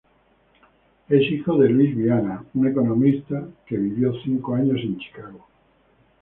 Es hijo de Luis Viana un economista quien vivió cinco años en Chicago.